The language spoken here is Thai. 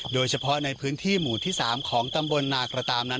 โดยเฉพาะในพื้นที่หมู่ที่๓ของตำบลนากระตามนั้น